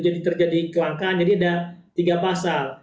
jadi terjadi kelangkaan jadi ada tiga pasal